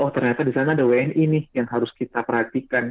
oh ternyata di sana ada wni nih yang harus kita perhatikan